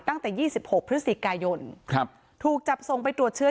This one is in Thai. ตั้งแต่๒๖พฤศจิกายนถูกจับส่งไปตรวจเชื้อ